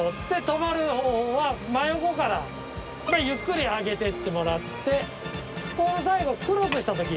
止まる方法は真横からゆっくり上げてってもらってこの最後クロスした時。